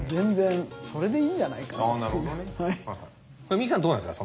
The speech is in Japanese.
ミキさんどうなんですか？